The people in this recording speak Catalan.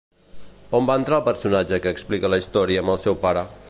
On va entrar el personatge que explica la història amb el seu pare?